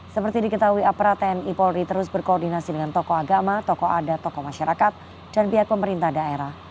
seperti diketahui aparat tni polri terus berkoordinasi dengan tokoh agama tokoh adat tokoh masyarakat dan pihak pemerintah daerah